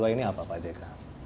ini apa pak jk